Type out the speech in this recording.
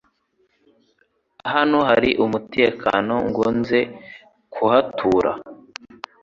Hano hari umutekano? Ngo nze kuhatura